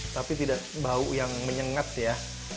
tapi tidak bau yang menyengat ya